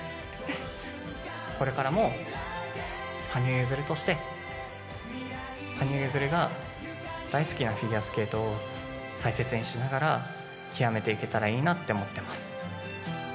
これからも、羽生結弦として、羽生結弦が大好きなフィギュアスケートを大切にしながら、極めていけたらいいなって思ってます。